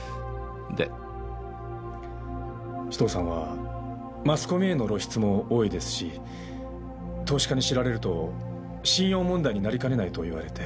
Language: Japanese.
紫藤さんはマスコミへの露出も多いですし投資家に知られると信用問題になりかねないと言われて。